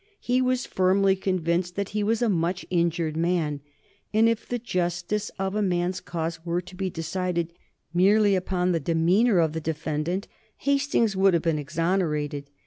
He was firmly convinced that he was a much injured man, and if the justice of a man's cause were to be decided merely upon the demeanor of the defendant, Hastings would have been exonerated.